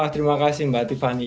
terima kasih mbak tiffany